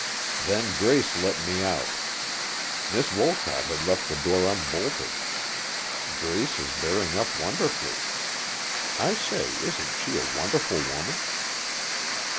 "Then Grace let me out. Miss Wolcott had left the door unbolted. Grace is bearing up wonderfully. I say, isn't she a wonderful woman?"